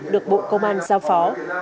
được bộ công an giao phó